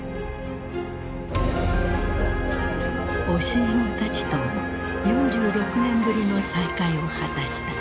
教え子たちとも４６年ぶりの再会を果たした。